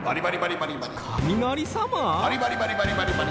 バリバリバリバリバリバリ。